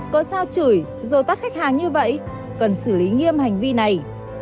còn sao chửi dồ tắt khách hàng như vậy cần xử lý nghiêm hành vi này